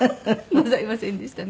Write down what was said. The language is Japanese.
ございませんでしたね。